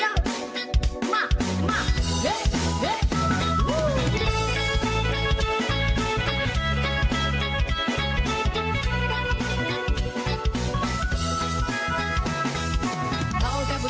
เฮ้เฮ้อ่าอ่าอ่า